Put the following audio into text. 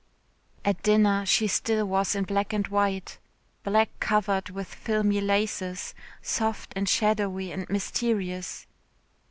At dinner she still was in black and white. Black covered with filmy laces, soft and shadowy and mysterious.